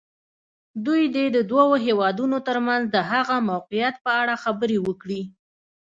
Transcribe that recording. دوی دې د دوو هېوادونو تر منځ د هغه موقعیت په اړه خبرې وکړي.